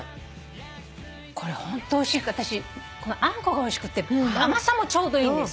これホントおいしい私このあんこがおいしくて甘さもちょうどいいんです。